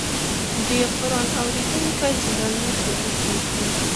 د قرآن اورېدونکی زړه نه تیاره کېږي.